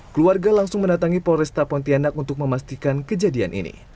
keluarga langsung mendatangi polresta pontianak untuk memastikan kejadian ini